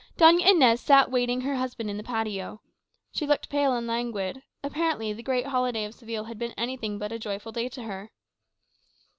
Doña Inez sat awaiting her husband in the patio. She looked pale and languid; apparently the great holiday of Seville had been anything but a joyful day to her.